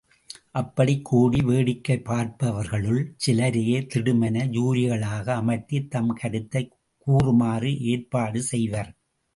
அப்படிக் கூடி வேடிக்கை பார்ப்பவர்களுள் சிலரையே திடுமென ஜூரிகளாக அமர்த்தி தம் கருத்தைக் கூறுமாறு ஏற்பாடு செய்வர்.